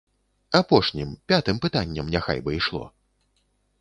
Апошнім, пятым пытаннем няхай бы ішло.